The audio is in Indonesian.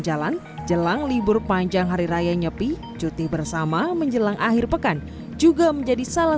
jalan jelang libur panjang hari raya nyepi cuti bersama menjelang akhir pekan juga menjadi salah